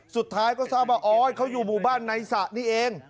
สุดท้ายก็ทราบว่าโอ๊ยเขาอยู่หมู่บ้านในสระนี่เอง